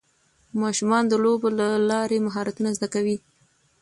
ماشومان د لوبو له لارې مهارتونه زده کوي